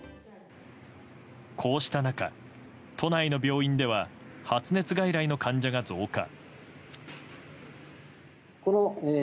こうした中、都内の病院では発熱外来の患者が増加。